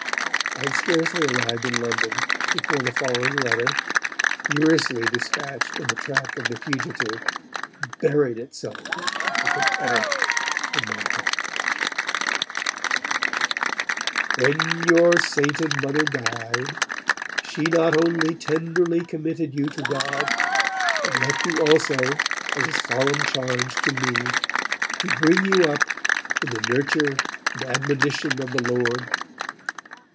I had scarcely arrived in London before the following letter, furiously despatched in the track of the fugitive, buried itself like an arrow in my heart: 'When your sainted Mother died, she not only tenderly committed you to God, but left you also as a solemn charge to me, to bring you up in the nurture and admonition of the Lord.